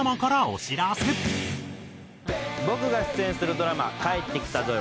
僕が出演するドラマ『帰ってきたぞよ！